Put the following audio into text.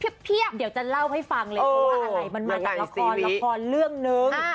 เดี๋ยวจะเล่าให้ฟังเลยเพราะว่าอะไรมันมาจากละครละครเรื่องนึง